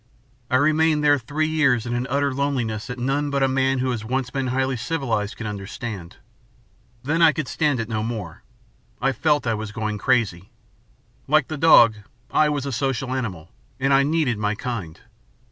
I remained there three years in an utter loneliness that none but a man who has once been highly civilized can understand. Then I could stand it no more. I felt that I was going crazy. Like the dog, I was a social animal and I needed my kind.